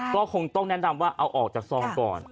ก็คงต้องแนะนำว่าเอาออกจากซองก่อน